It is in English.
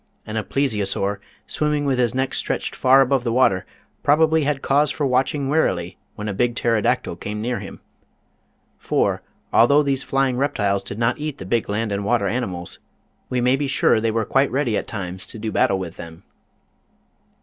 And a Plesio saur, swimming with his neck stretched far above the water, probably had cause for watching warily when a big Pterodactyl came near him. For, although these flying reptiles did not eat the big land and water animals, we may be sure they were quite ready at times to do battle with them.